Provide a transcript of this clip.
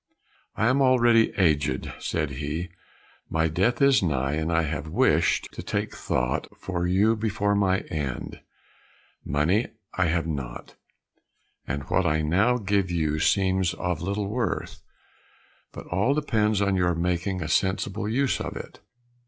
"I am already aged," said he, "my death is nigh, and I have wished to take thought for you before my end; money I have not, and what I now give you seems of little worth, but all depends on your making a sensible use of it.